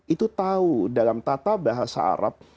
itu tahu dalam tata bahasa arab